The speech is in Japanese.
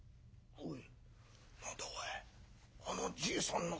おい！